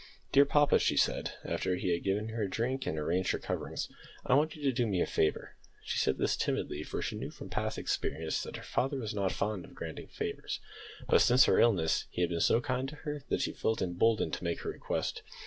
"Dear papa," she said, after he had given her a drink and arranged her coverings. "I want you to do me a favour." She said this timidly, for she knew from past experience that her father was not fond of granting favours, but since her illness he had been so kind to her that she felt emboldened to make her request.